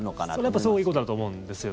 やっぱそういうことだと思うんですよ。